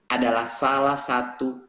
adalah salah satu